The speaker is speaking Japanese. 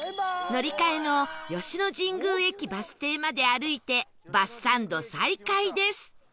乗り換えの吉野神宮駅バス停まで歩いてバスサンド再開です